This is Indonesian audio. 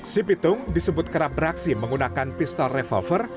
si pitung disebut kerap beraksi menggunakan pistol revolver